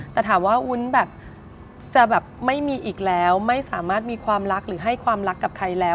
แต่ถามว่าวุ้นแบบจะแบบไม่มีอีกแล้วไม่สามารถมีความรักหรือให้ความรักกับใครแล้ว